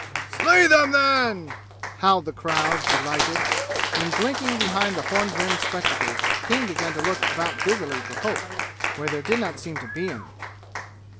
"Slay them, then!" howled the crowd, delighted. And blinking behind the horn rimmed spectacles, King began to look about busily for hope, where there did not seem to be any.